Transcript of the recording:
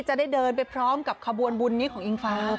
จะได้เดินไปพร้อมกับขบวนบุญนี้ของอิงฟ้า